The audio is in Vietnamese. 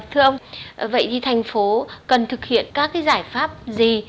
thưa ông vậy thì thành phố cần thực hiện các giải pháp gì